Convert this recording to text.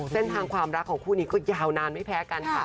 เส้นทางความรักของคู่นี้ก็ยาวนานไม่แพ้กันค่ะ